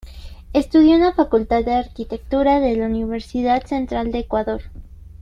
Estudió en la Facultad de Arquitectura de la Universidad Central del Ecuador.